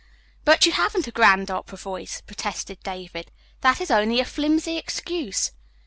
"But you haven't a grand opera voice," protested David. "That is only a flimsy excuse."